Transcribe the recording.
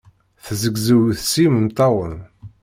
Tezzegzew seg yimeṭṭawen.